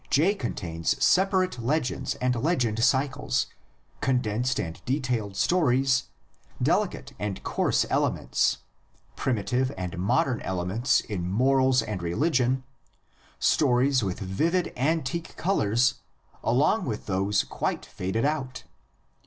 J contains separate legends and legend cycles, condensed and detailed stories, delicate and coarse elements, primitive and modern elements in morals and religion, stories with vivid antique colors along with those quite faded out.